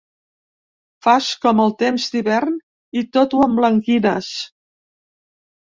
Fas com el temps d'hivern i tot ho emblanquines.